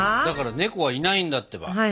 だから猫はいないんだってば！